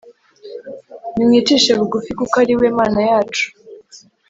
Nimwicishe bugufi kuko ariwe mana yacu